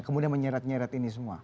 kemudian menyeret nyeret ini semua